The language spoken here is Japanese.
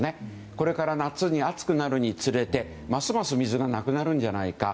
これから夏に、暑くなるにつれてますます水がなくなるんじゃないか。